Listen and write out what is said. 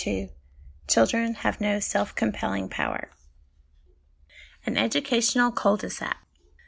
THE CHILDREN HAVE NO SELF COMPELLING POWER An Educational Cul de sac.